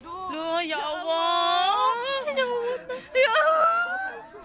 loh ya allah ya allah